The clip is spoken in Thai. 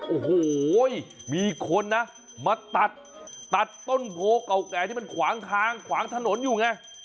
โอ้โหมีคนนะมาตัดตัดต้นโพเก่าแก่ที่มันขวางทางขวางถนนอยู่ไง